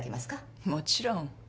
もちろん。